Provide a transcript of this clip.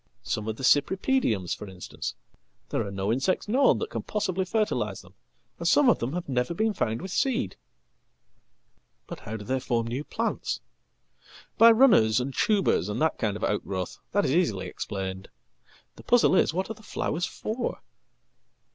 Some of theCypripediums, for instance; there are no insects known that can possiblyfertilise them, and some of them have never been found with seed.""But how do they form new plants?""By runners and tubers, and that kind of outgrowth. That is easilyexplained. The puzzle is, what are the flowers for?"